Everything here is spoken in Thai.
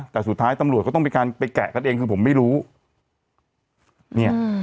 แต่สุดท้ายตำรวจก็ต้องมีการไปแกะกันเองคือผมไม่รู้เนี่ย